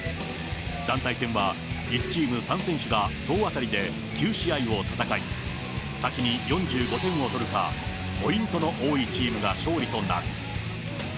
団体戦は１チーム３選手が総当たりで９試合を戦い、先に４５点を取るか、ポイントの多いチームが勝利となる。